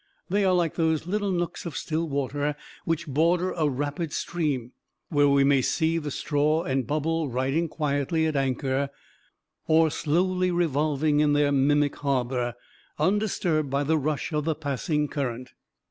They are like those little nooks of still water which border a rapid stream, where we may see the straw and bubble riding quietly at anchor, or slowly revolving in their mimic harbor, undisturbed by the rush of the passing current.